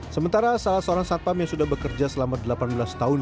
sementara salah seorang satpam yang sudah bekerja selama delapan belas tahun